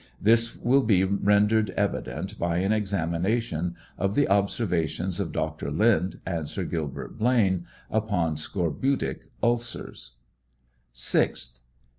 This will be rendered evident by an examination of the observations of Dr. Lind and Sir Gilbert Blane upon scorbutic ulcers. 6th.